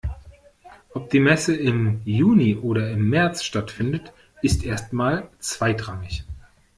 Ob die Messe im Juni oder im März stattfindet, ist erst mal zweitrangig.